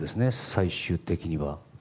最終的には。